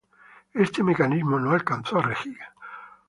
Este mecanismo no alcanzó a regir.